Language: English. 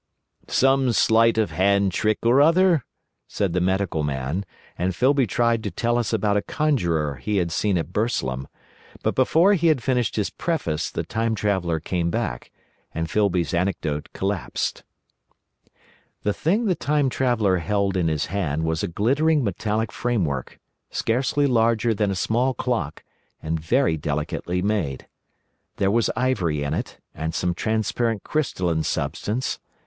"Some sleight of hand trick or other," said the Medical Man, and Filby tried to tell us about a conjuror he had seen at Burslem, but before he had finished his preface the Time Traveller came back, and Filby's anecdote collapsed. II. The Machine The thing the Time Traveller held in his hand was a glittering metallic framework, scarcely larger than a small clock, and very delicately made. There was ivory in it, and some transparent crystalline substance.